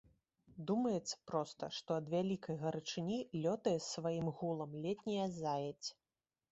Думаецца проста, што ад вялікай гарачыні лётае з сваім гулам летняя заедзь.